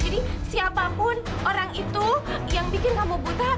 jadi siapapun orang itu yang bikin kamu buta